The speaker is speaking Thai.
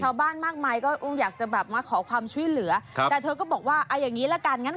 ชาวบ้านมากมายก็คงอยากจะแบบมาขอความช่วยเหลือครับแต่เธอก็บอกว่าเอาอย่างงี้ละกันงั้น